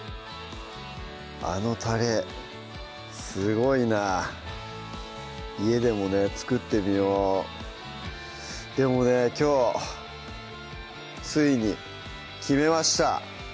あのタレすごいな家でもね作ってみようでもねきょうついに決めました！